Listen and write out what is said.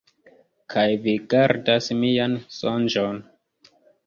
Kaj vi gardas mian sonĝon.